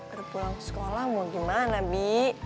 terus pulang sekolah mau gimana bi